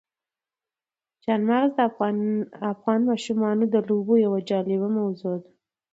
چار مغز د افغان ماشومانو د لوبو یوه جالبه موضوع ده.